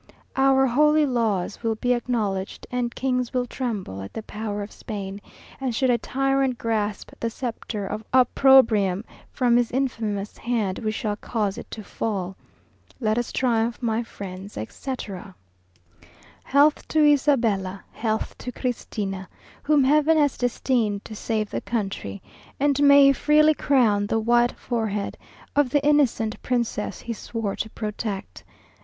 Our holy laws Will be acknowledged, And kings will tremble At the power of Spain; And should a tyrant grasp The sceptre of opprobrium, From his infamous hand We shall cause it to fall. Let us triumph, my friends, etc. Health to Isabella, Health to Christina, Whom Heaven has destined To save the country; And may he freely crown The white forehead Of the innocent princess He swore to protect.